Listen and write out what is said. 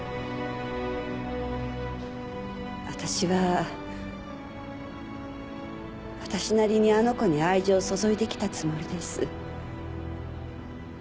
私は私なりにあの子に愛情を注いできたつもりです。